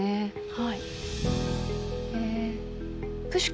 はい。